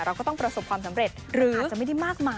รักเจอกันอ้อะ